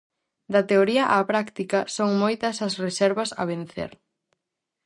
Da teoría á práctica, son moitas as reservas a vencer.